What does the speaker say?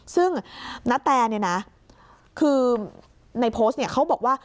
ซึ่งนาตาแกะนี่นะคือในโพสต์เขาบอกว่า